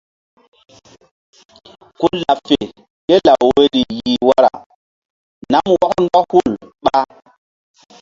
Ku laɓ fe ké law woyri yih wara nam wɔk ndɔk hul ɓa.